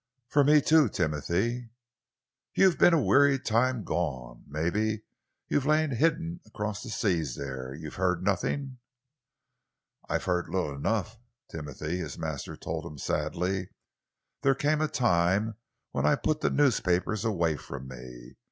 "For me, too, Timothy!" "You've been a weary time gone. Maybe you've lain hidden across the seas there you've heard nothing." "I've heard little enough, Timothy," his master told him sadly. "There came a time when I put the newspapers away from me.